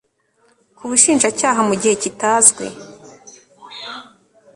k ubushinjacyaha mu gihe kitazwi